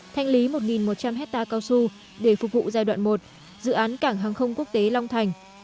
thanh lý một một trăm linh hectare cao su để phục vụ giai đoạn một dự án cảng hàng không quốc tế long thành